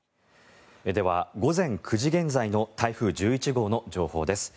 では、午前９時現在の台風１１号の情報です。